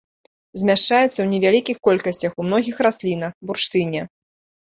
Змяшчаецца ў невялікіх колькасцях ў многіх раслінах, бурштыне.